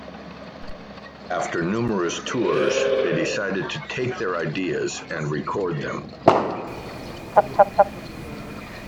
After numerous tours they decided to take their ideas and record them.